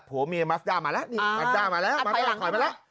ผัวเมียมัสด้ามาแล้วนี่มัดด้ามาแล้วมาด้าถอยมาแล้ว